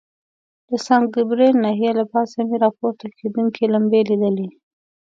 د سان ګبریل ناحیې له پاسه مې را پورته کېدونکي لمبې لیدلې.